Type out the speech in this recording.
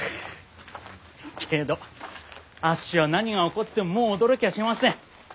けどあっしは何が起こってももう驚きゃしません。